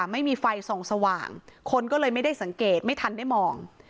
ไม่มีไฟส่องสว่างคนก็เลยไม่ได้สังเกตไม่ทันได้มอง